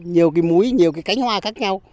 nhiều cái muối nhiều cái cánh hoa khác nhau